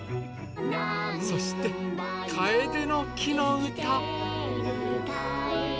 そして「カエデの木のうた」。